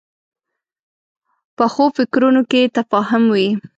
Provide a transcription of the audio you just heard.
پخو فکرونو کې تفاهم وي